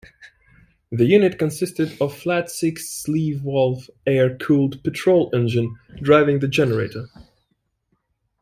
The unit consisted of a flat-six sleeve-valve air-cooled petrol engine driving the generator.